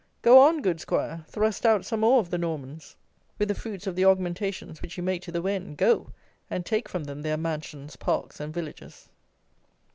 Go on, good 'Squire, thrust out some more of the Normans: with the fruits of the augmentations which you make to the Wen, go, and take from them their mansions, parks, and villages!